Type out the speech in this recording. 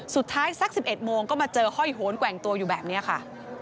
สุดท้ายสักสิบเอ็ดโมงก็มาเจอห้อยโหนแกว่งตัวอยู่แบบเนี้ยค่ะ